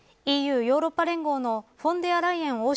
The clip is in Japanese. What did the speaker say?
ＥＵヨーロッパ連合のフォンデアライエン